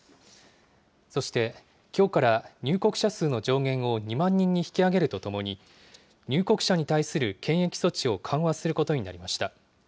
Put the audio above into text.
そしてきょうから、入国者数の上限を２万人に引き上げるとともに、入国者に対する検疫措置を緩和することになりました。